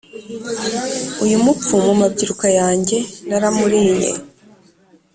uyu mupfu mu mabyiruka yanjye naramuliye.